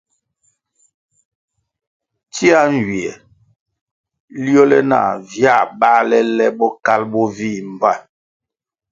Tsia nywie liole nah via bālè le Bokalʼ bo vih mbpa.